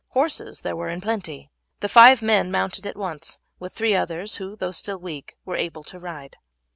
Horses there were in plenty. The five men mounted at once, with three others who, though still weak, were able to ride.